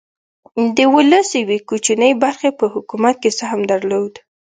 د ولس یوې کوچنۍ برخې په حکومت کې سهم درلود.